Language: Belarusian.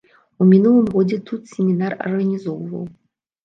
У мінулым годзе тут семінар арганізоўваў.